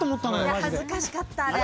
恥ずかしかったあれ。